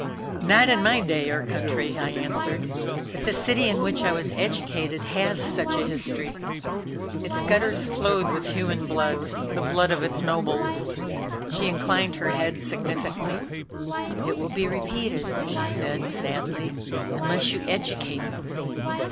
"Not in my day or country," I answered "But the city in which I was educated has such a history. Its gutters flowed with human blood, the blood of its nobles." She inclined her head significantly. "It will be repeated," she said sadly, "unless you educate them.